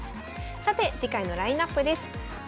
さて次回のラインナップです。